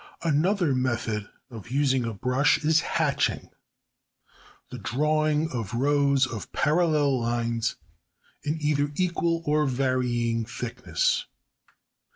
Another method of using a brush is hatching, the drawing of rows of parallel lines in either equal or varying thicknesses.